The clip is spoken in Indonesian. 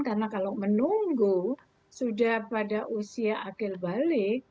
karena kalau menunggu sudah pada usia akhir balik